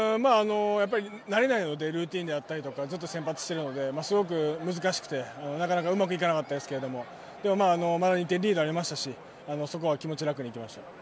慣れないのでルーチンであったりとかずっと先発してるのですごく難しくてうまくいかなかったですけどリードもありましたしそこは気持ちを楽に行きました。